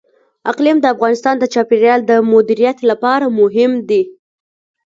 اقلیم د افغانستان د چاپیریال د مدیریت لپاره مهم دي.